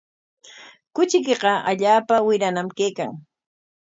Kuchiykiqa allaapa wirañam kaykan.